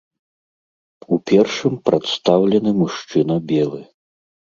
У першым прадстаўлены мужчына белы.